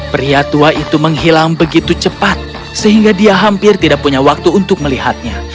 pria tua itu menghilang begitu cepat sehingga dia hampir tidak punya waktu untuk melihatnya